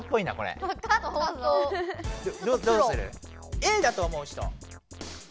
Ａだと思う人？